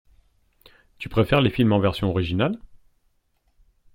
Tu préfères les films en version originale?